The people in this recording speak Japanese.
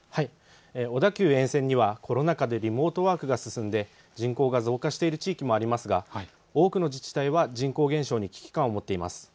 小田急沿線にはコロナ禍でリモートワークが進んで人口が増加している地域もありますが多くの自治体は人口減少に危機感を持っています。